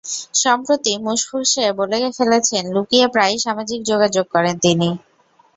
সম্প্রতি মুখ ফসকে বলে ফেলেছেন, লুকিয়ে প্রায়ই সামাজিক যোগাযোগ করেন তিনি।